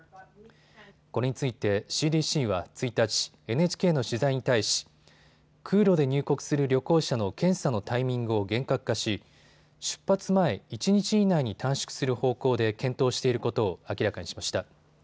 これについてＣＤＣは１日、ＮＨＫの取材に対し空路で入国する旅行者の検査のタイミングを厳格化し出発前１日以内に短縮する方向で検討していることを明らかにしました。